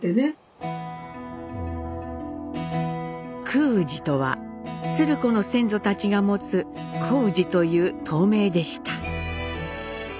クー氏とは鶴子の先祖たちが持つ胡氏という唐名でした。